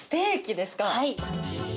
はい。